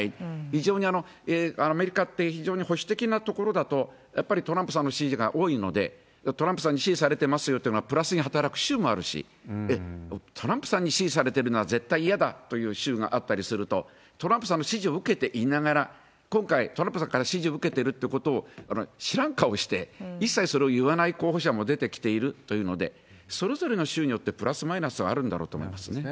非常にアメリカって、非常に保守的な所だと、やっぱりトランプさんの支持が多いので、トランプさんに支持されてますよというのがプラスに働く州もあるし、トランプさんに支持されてるのは絶対に嫌だという州があったりすると、トランプさんの支持を受けていながら、今回、トランプさんから支持を受けてるってことを知らん顔して、一切それを言わない候補者も出てきているというので、それぞれの州によってプラスマイナスはあるんだろうと思いますね。